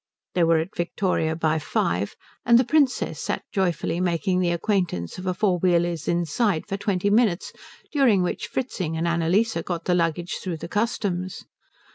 They were at Victoria by five, and the Princess sat joyfully making the acquaintance of a four wheeler's inside for twenty minutes during which Fritzing and Annalise got the luggage through the customs.